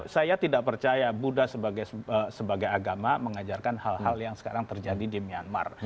saya tidak percaya buddha sebagai agama mengajarkan hal hal yang sekarang terjadi di myanmar